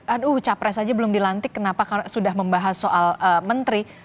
aduh capres saja belum dilantik kenapa sudah membahas soal menteri